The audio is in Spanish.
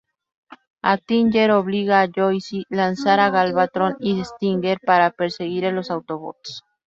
Attinger obliga a Joyce lanzar a Galvatron y Stinger para perseguir a los Autobots.